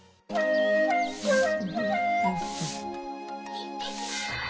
行ってきます！